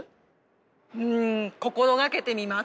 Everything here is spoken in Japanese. うん心がけてみます。